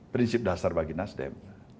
prinsip dasar bagi nasdem